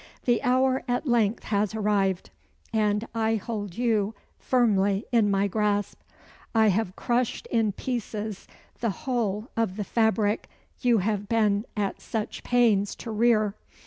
The hour at length has arrived, and I hold you firmly in my grasp. I have crushed in pieces the whole of the fabric you have been at such pains to rear.